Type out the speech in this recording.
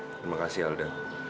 terima kasih alda